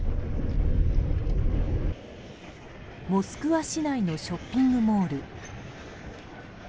モスクワ市内のショッピングモール。